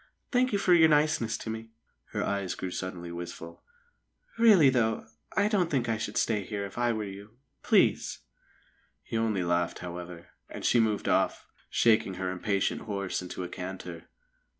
"Thank you for your niceness to me." Her eyes grew suddenly wistful. "Really, though, I don't think I should stay there if I were you. Please!" He only laughed, however, and she moved off, shaking her impatient horse into a canter.